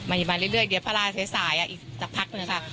จ้ะไม่ได้มาเรื่อยเรื่อยเดี๋ยวพระราชินาสายอีกจะพักหนึ่งนะคะ